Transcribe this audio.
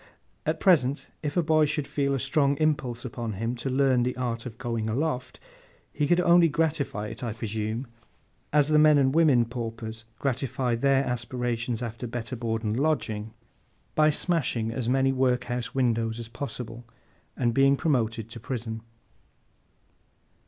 At present, if a boy should feel a strong impulse upon him to learn the art of going aloft, he could only gratify it, I presume, as the men and women paupers gratify their aspirations after better board and lodging, by smashing as many workhouse windows as possible, and being promoted to prison.